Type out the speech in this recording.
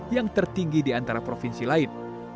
yang tertinggi di antara provinsi lain